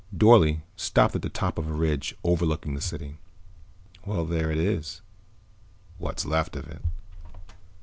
Dorle stopped at the top of a ridge overlooking the city. "Well, there it is. What's left of it."